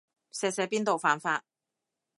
錫錫邊度犯法